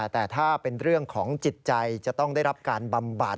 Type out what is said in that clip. แต่ถ้าเป็นเรื่องของจิตใจจะต้องได้รับการบำบัด